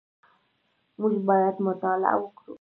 موږ باید مطالعه وکړو